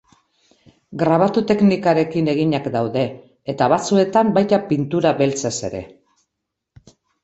Grabatu teknikarekin eginak daude, eta batzuetan baita pintura beltzez ere.